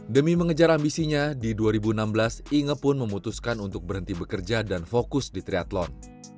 demi mengejar ambisinya di dua ribu enam belas inge pun memutuskan untuk berhenti bekerja dan fokus di triathlon